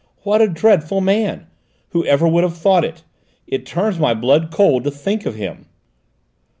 What a dreadful man! Whoever would have thought it? It turns my blood cold to think of him!"